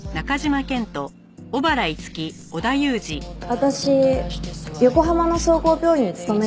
私横浜の総合病院に勤める事になりました。